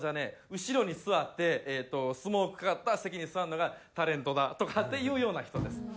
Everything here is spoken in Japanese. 「後ろに座ってスモークかかった席に座るのがタレントだ」とかっていうような人です。